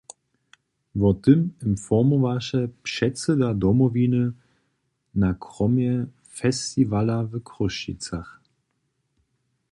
Wo tym informowaše předsyda Domowiny na kromje festiwala w Chrósćicach.